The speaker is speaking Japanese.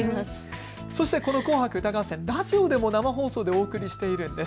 そして紅白歌合戦、ラジオでも生放送でお送りしているんです。